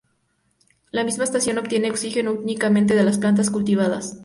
La misma estación obtiene oxígeno únicamente de las plantas cultivadas.